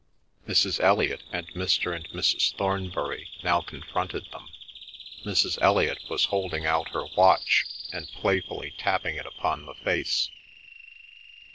Mrs. Elliot and Mr. and Mrs. Thornbury now confronted them; Mrs. Elliot was holding out her watch, and playfully tapping it upon the face.